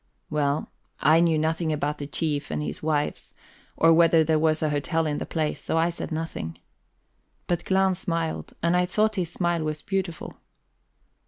Well, I knew nothing about the chief and his wives, or whether there was a hotel in the place, so I said nothing. But Glahn smiled, and I thought his smile was beautiful.